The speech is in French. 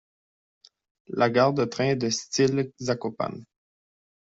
La gare de train est de Style Zakopane.